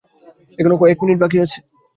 এখনও কয়েক মিনিট বাকি আছে।